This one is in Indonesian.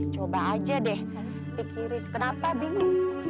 coba aja deh pikirin kenapa bingung